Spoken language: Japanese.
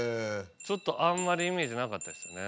ちょっとあんまりイメージなかったですね。